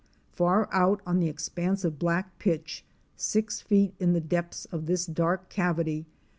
Far out on the expanse of black pitch — six feet in the depth of this dark cavity!